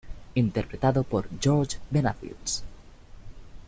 Interpretado por Jorge Benavides